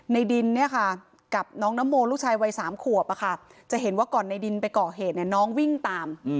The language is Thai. ในดินกับน้องนโมลูกชายวัย๓ขวบจะเห็นว่าก่อนในดินไปก่อเหตุน้องวิ่งตาม